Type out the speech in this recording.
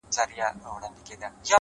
هغه ساعت’ هغه غرمه’ هغه د سونډو زبېښل’